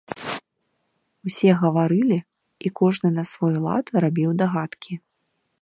Усе гаварылі, і кожны на свой лад рабіў дагадкі.